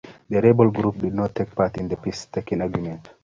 The rebel group didn't take part in the peace talking agreements.